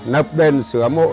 nập đền sửa môn đồng